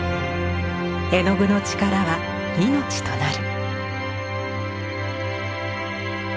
絵の具の力は命となる。